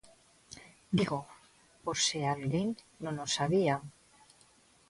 Dígoo por se alguén non o sabía.